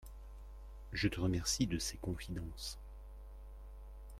Je te remercie de ces confidences.